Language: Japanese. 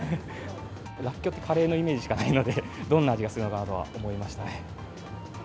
らっきょうってカレーのイメージしかないので、どんな味がするのかなとは思いましたね。